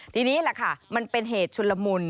ทีนี้แหละค่ะมันเป็นเหตุชุนละมุน